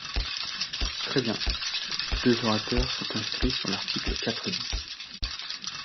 Très bien ! Deux orateurs sont inscrits sur l’article quatre bis.